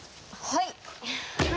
はい！